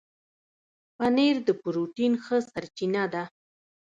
پنېر د پروټين ښه سرچینه ده.